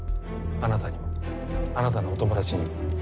あなたにもあなたのお友達にも。